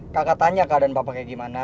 kakak tanya ke aden papa kayak gimana